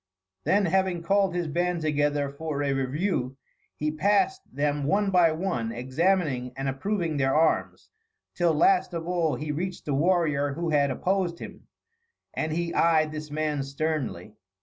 Then, having called his band together for a review, he passed them one by one, examining and approving their arms, till, last of all, he reached the warrior who had opposed him; and he eyed this man sternly.